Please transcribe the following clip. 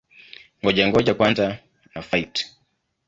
Ngoja-ngoja kwanza na-fight!